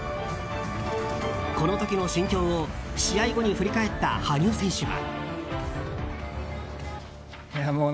この時の心境を試合後に振り返った羽生選手は。